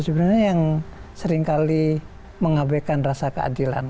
sebenarnya yang seringkali mengabaikan rasa keadilan